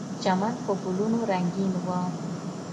چمن په ګلونو رنګین و.